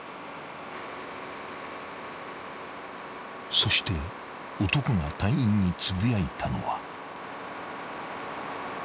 ［そして男が隊員につぶやいたのは］